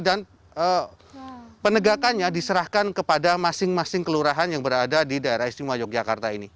dan penegakannya diserahkan kepada masing masing kelurahan yang berada di daerah sima yogyakarta ini